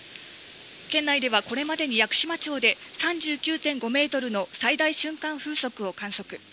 県内ではこれまでに屋久島町で３９．５メートルの最大瞬間風速を観測。